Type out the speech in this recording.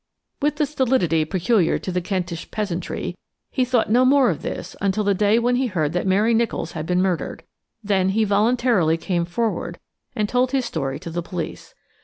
With the stolidity peculiar to the Kentish peasantry, he thought no more of this until the day when he heard that Mary Nicholls had been murdered; then he voluntarily came forward and told his story to the police.